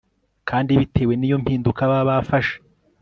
kandi bitewe niyo mpinduka baba bafashe